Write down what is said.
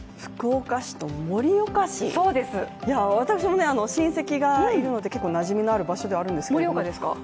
私も盛岡に親戚がいるので結構なじみのある場所なんですけど。